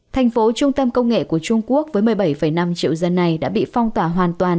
thành phố trung tâm công nghệ của trung quốc với một mươi bảy năm triệu dân này đã bị phong tỏa hoàn toàn